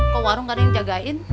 ke warung kan yang jagain